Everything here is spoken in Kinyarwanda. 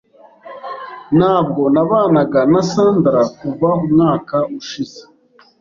Ntabwo nabanaga na Sandra kuva umwaka ushize.